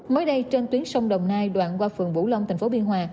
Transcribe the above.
mới đây trên tuyến sông đồng nai đoạn qua phường vũ long thành phố biên hòa